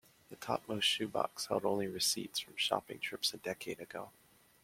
The topmost shoe box held only receipts from shopping trips a decade ago.